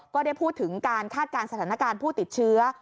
ก็ได้พูดถึงการคาดการณ์สถานการณ์ผู้ติดเชื้อ